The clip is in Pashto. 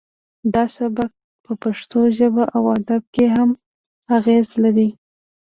دا سبک په پښتو ژبه او ادب کې هم اغیز لري